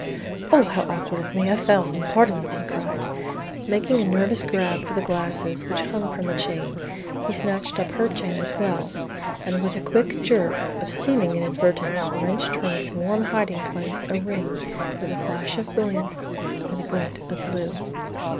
"Oh, how awkward of me! A thousand pardons!" he cried. Making a nervous grab for the glasses, which hung from a chain, he snatched up her chain as well, and with a quick jerk of seeming inadvertence wrenched from its warm hiding place a ring with a flash of brilliants and a glint of blue.